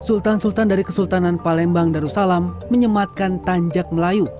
sultan sultan dari kesultanan palembang darussalam menyematkan tanjak melayu